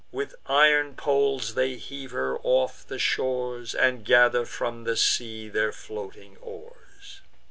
With iron poles they heave her off the shores, And gather from the sea their floating oars.